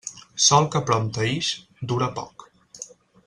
Sol que prompte ix, dura poc.